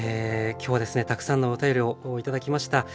今日はたくさんのお便りを頂きました。